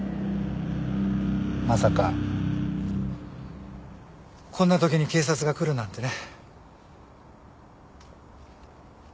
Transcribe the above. まさかこんな時に警察が来るなんてね。